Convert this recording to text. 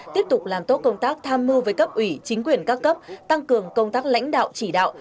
tiếp tục làm tốt công tác tham mưu với cấp ủy chính quyền các cấp tăng cường công tác lãnh đạo chỉ đạo